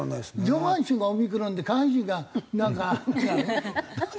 上半身がオミクロンで下半身がなんか違うの？